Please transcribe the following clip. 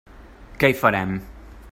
Que hi farem!